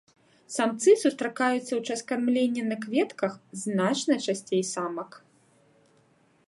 Самцы сустракаюцца ў час кармлення на кветках значна часцей самак.